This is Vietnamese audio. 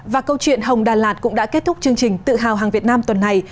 và câu chuyện hồng đà lạt cũng đã kết thúc chương trình tự hào hàng việt nam tuần này